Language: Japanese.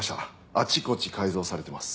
あちこち改造されてます。